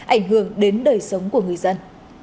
ảnh hưởng đến đời sống của người dân